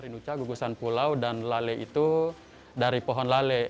nuca gugusan pulau dan lale itu dari pohon lale